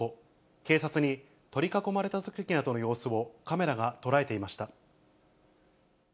警察に取り囲まれたときなどの様子をカメラが捉えていました。